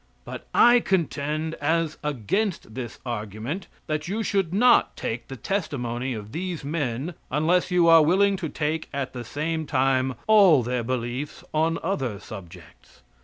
But I contend, as against this argument, that you should not take the testimony of these men unless you are willing to take at the same time all their beliefs on other subjects.